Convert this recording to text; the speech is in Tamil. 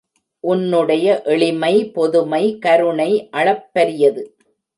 உன்னுடைய எளிமை பொதுமை கருணை அளப்பரியது!